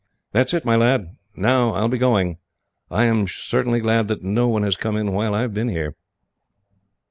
"That is it, my lad. Now I will be going. I am glad that no one has come in while I have been here."